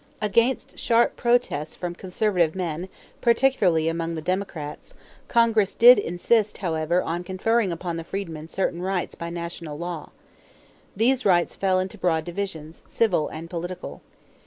Against sharp protests from conservative men, particularly among the Democrats, Congress did insist, however, on conferring upon the freedmen certain rights by national law. These rights fell into broad divisions, civil and political.